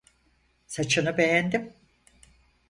Saçını beğendim.